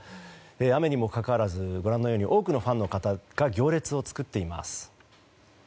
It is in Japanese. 雨にもかかわらずご覧のように多くのファンの方が行列を作っています。